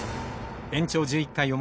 延長１１回表。